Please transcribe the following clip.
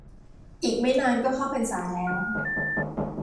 อีกไม่นานก็เข้าพรรษาแล้ว